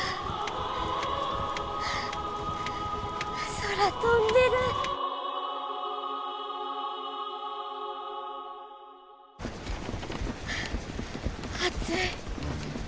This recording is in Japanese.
空、飛んでる。暑い。